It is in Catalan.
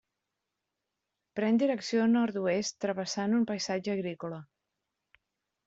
Pren direcció nord-oest travessant un paisatge agrícola.